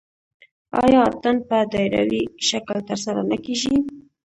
آیا اتن په دایروي شکل ترسره نه کیږي؟